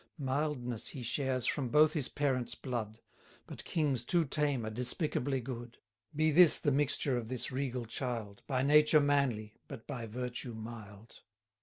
Mildness he shares from both his parents' blood: But kings too tame are despicably good: 220 Be this the mixture of this regal child, By nature manly, but by virtue mild.